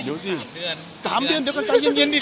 อุ้ยปีนี้เลยเหรอก็อยู่สามเดือนสามเดือนเดี๋ยวก่อนใจเย็นดิ